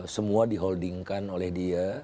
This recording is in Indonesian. semua diholdingkan oleh dia